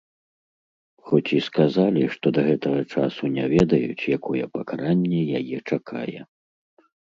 Хоць і сказалі, што да гэтага часу не ведаюць, якое пакаранне яе чакае.